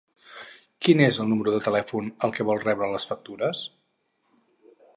Quin és el número de telèfon al que vol rebre les factures?